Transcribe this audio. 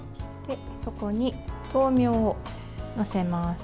ここに豆苗を載せます。